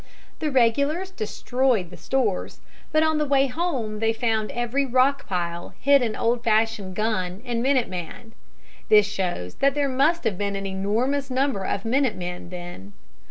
The regulars destroyed the stores, but on the way home they found every rock pile hid an old fashioned gun and minute man. This shows that there must have been an enormous number of minute men then.